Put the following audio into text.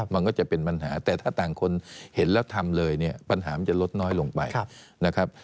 มันก็จะเป็นปัญหาแต่ถ้าต่างคนเห็นแล้วทำเลยเนี่ยปัญหามันจะลดน้อยลงไปนะครับ